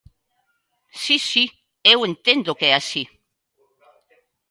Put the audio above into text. Si, si, eu entendo que é así.